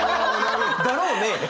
だろうね！